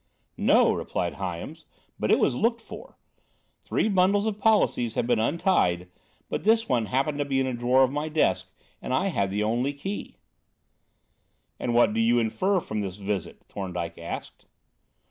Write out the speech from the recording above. "No," replied Hyams "but it was looked for. Three bundles of policies had been untied, but this one happened to be in a drawer of my desk and I had the only key." "And what do you infer from this visit?" Thorndyke asked.